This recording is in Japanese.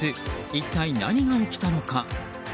一体、何が起きたのか。